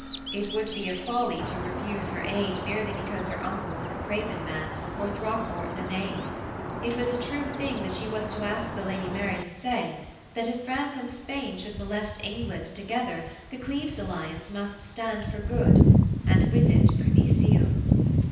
It would be a folly to refuse her aid merely because her uncle was a craven man or Throckmorton a knave. It was a true thing that she was to ask the Lady Mary to say that if France and Spain should molest England together the Cleves alliance must stand for good and with it Privy Seal.